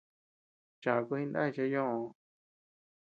Chaku jinay chéa ñoʼoo.